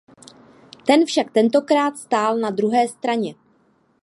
Ten však tentokrát stál na druhé straně.